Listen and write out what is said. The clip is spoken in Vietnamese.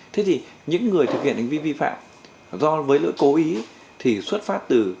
thế thì những người thực hiện hành vi vi phạm do với lỗi cố ý thì xuất phát từ